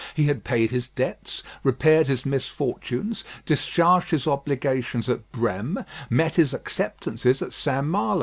He had paid his debts, repaired his misfortunes, discharged his obligations at Brême, met his acceptances at St. Malo.